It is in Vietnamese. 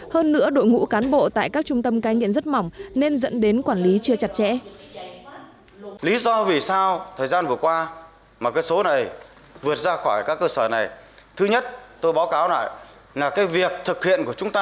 hơn nữa đội ngũ cán bộ tại các trung tâm cai nghiện rất mỏng nên dẫn đến quản lý chưa chặt chẽ